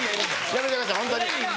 やめてくださいホントに。